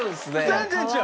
全然違う！